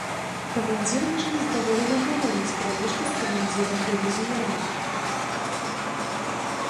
Камандзір наш нездаволена гамоніць пра нешта з камандзірам дывізіёну.